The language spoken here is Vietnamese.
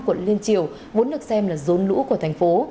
quận liên triều vốn được xem là rốn lũ của thành phố